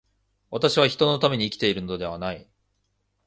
私は人のために生きているのではない。